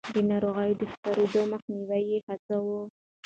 د ناروغيو د خپرېدو مخنيوی يې هڅاوه.